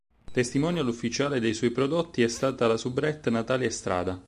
Testimonial ufficiale dei suoi prodotti è stata la soubrette Natalia Estrada.